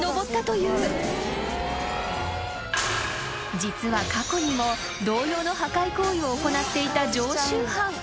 ［実は過去にも同様の破壊行為を行っていた常習犯］